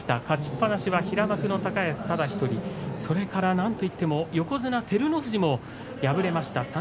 勝ちっぱなしは平幕の高安ただ１人それからなんといっても横綱照ノ富士も敗れました。